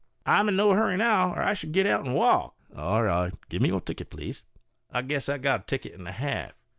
Yankee. "I'm in no hurry now, cr I should get out and walk." Porter, " All right; give me your ticket, please." Yankee. " I guess I've got a ticket and a half."